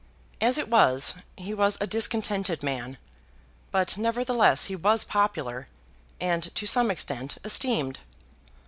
As it was he was a discontented man, but nevertheless he was popular, and to some extent esteemed.